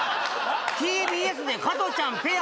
ＴＢＳで「加トちゃんペッ！」